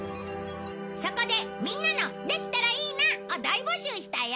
そこでみんなの「できたらいいな」を大募集したよ。